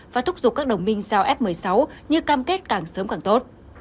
và thúc giục các đồng minh giao f một mươi sáu như cam kết càng sớm càng tốt